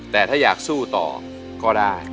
แต่ถ้าอยากสู้ต่อก็ได้